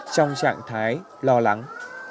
trong trạng thái lo lắng